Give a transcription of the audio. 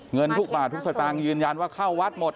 เงินทุกบาททุกสตางค์ยืนยันว่าเข้าวัดหมด